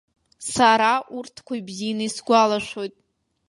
Сара урҭқәа бзианы исгәалашәоит.